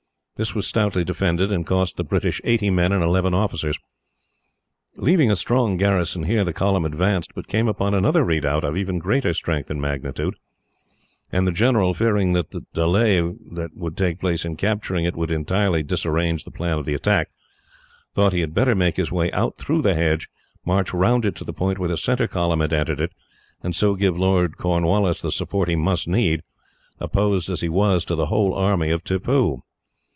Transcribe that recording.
This was stoutly defended, and cost the British eighty men and eleven officers. Leaving a strong garrison here, the column advanced, but came upon another redoubt, of even greater strength and magnitude; and the general, fearing that the delay that would take place in capturing it would entirely disarrange the plan of the attack, thought he had better make his way out through the hedge, march round it to the point where the centre column had entered it, and so give Lord Cornwallis the support he must need, opposed as he was to the whole army of Tippoo.